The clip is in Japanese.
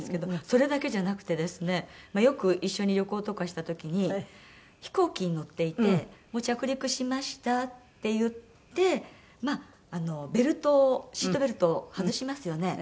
それだけじゃなくてですねよく一緒に旅行とかした時に飛行機に乗っていてもう着陸しましたっていってまあベルトをシートベルトを外しますよね？